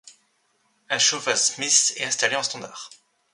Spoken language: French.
Un chauffage Smiths est installé en standard.